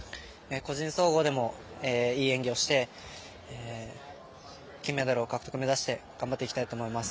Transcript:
個人総合でもいい演技をして金メダル獲得目指して頑張っていきたいと思います。